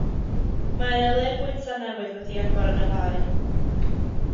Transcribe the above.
Mae yna le bwyta newydd wedi agor yn Y Bae.